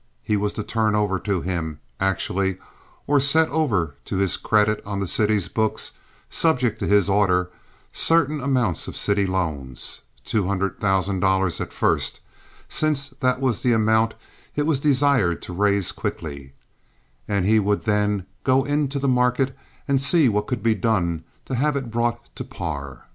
He was to turn over to him, actually, or set over to his credit on the city's books, subject to his order, certain amounts of city loans—two hundred thousand dollars at first, since that was the amount it was desired to raise quickly—and he would then go into the market and see what could be done to have it brought to par.